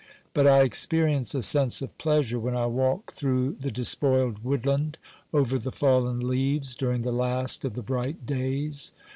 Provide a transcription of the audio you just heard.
But I experience a sense of pleasure when I walk through the despoiled wood land, over the fallen leaves, during the last of the bright days.